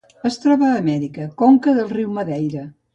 Es troba a Amèrica: conca del riu Madeira.